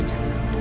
aku udah dipecat